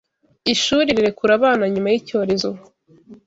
Ishuri rirekura abana nyuma y’icyorezo.